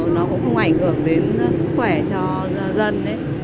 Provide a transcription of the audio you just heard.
nó cũng không ảnh hưởng đến sức khỏe cho dân